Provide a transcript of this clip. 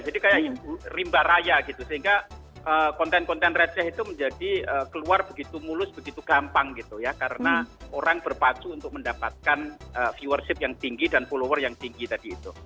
jadi kayak rimba raya gitu sehingga konten konten redsa itu menjadi keluar begitu mulus begitu gampang gitu ya karena orang berpatu untuk mendapatkan viewership yang tinggi dan follower yang tinggi tadi itu